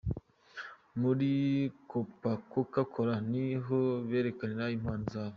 Muri Copa Coca Cola ni ho berekanira impano zabo.